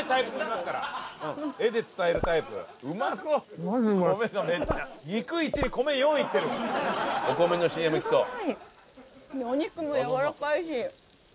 すごい！お肉もやわらかいし。